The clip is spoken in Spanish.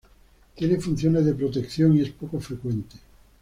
Tiene funciones de protección y es poco frecuente.